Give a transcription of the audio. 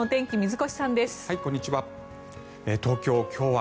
こんにちは。